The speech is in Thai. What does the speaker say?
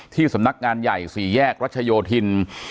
ที่สำนักงานใหญ่สี่แยกรัชโยธินทร์